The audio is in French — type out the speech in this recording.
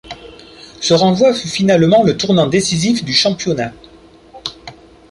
Ce renvoi fut finalement le tournant décisif du championnat.